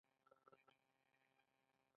د بدن د پړسوب لپاره د وربشو اوبه وڅښئ